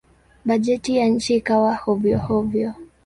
Bajeti ya nchi ikawa hovyo-hovyo.